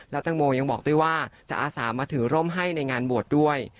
แล้วแตงโมยังบอกด้วยว่าจะอาสามาถือร่มให้ในงานบวชด้วย